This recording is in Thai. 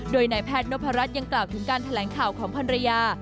โดยนายแพทย์นพรัชยังกล่าวถึงการแถลงข่าวของพันรยา